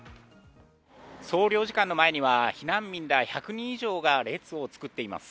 総領事館の前には避難民が１００人以上、列を作っています。